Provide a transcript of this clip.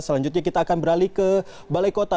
selanjutnya kita akan beralih ke balai kota